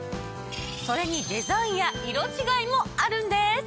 それにデザインや色違いもあるんです！